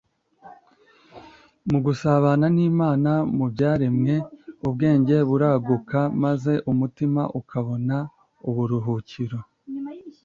Mu gusabana n'Imana mu byaremwe, ubwenge buraguka maze umutima ukabona uburuhukiro.